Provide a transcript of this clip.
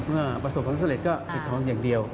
ประสบความสำเร็จก็ปิดทองอย่างเดียว